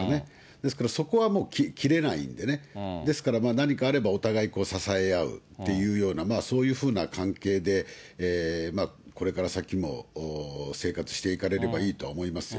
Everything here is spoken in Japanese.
ですから、そこはもう切れないんでね、ですから、何かあればお互い支え合うっていうような、そういうふうな関係で、これから先も生活していかれればいいとは思いますよ。